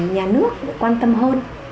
nhà nước quan tâm hơn